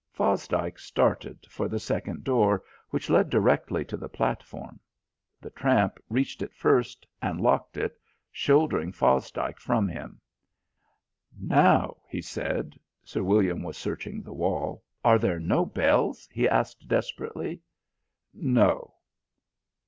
Fosdike started for the second door, which led directly to the platform. The tramp reached it first, and locked it, shouldering Fosdike from him. "Now," he said, Sir William was searching the wall, "are there no bells?" he asked desperately. "No."